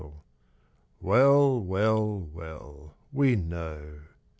Well, well, well, we know!